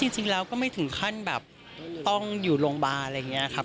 จริงแล้วก็ไม่ถึงขั้นแบบต้องอยู่โรงพยาบาลอะไรอย่างนี้ครับ